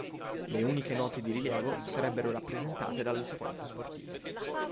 Le uniche note di rilievo sarebbero rappresentate dalle sequenze sportive.